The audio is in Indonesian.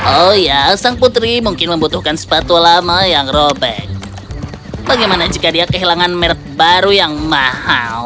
oh ya sang putri mungkin membutuhkan sepatu lama yang robek bagaimana jika dia kehilangan merk baru yang mahal